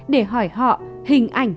để hỏi họ hình ảnh